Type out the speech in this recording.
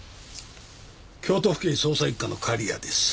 京都府警捜査一課の狩矢です。